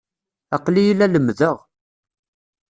Aql-iyi la lemmdeɣ.